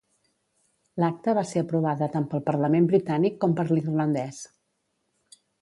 L'acta va ser aprovada tant pel Parlament britànic com per l'irlandès.